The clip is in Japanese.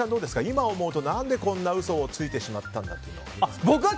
今思うと何でこんな嘘をついてしまったんだというのは。